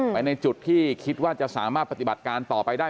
ในจุดที่คิดว่าจะสามารถปฏิบัติการต่อไปได้